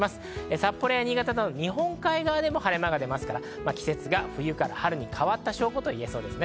札幌や新潟、日本海側でも晴れが出ますから、季節が冬から春に変わった証拠といえます。